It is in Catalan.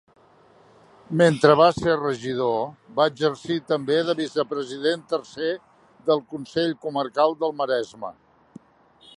Mentre va ser regidor, va exercir també de vicepresident tercer del Consell Comarcal del Maresme.